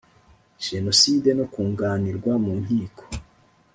Jenoside no kunganirwa mu nkiko